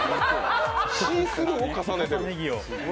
シースルーを重ねてる？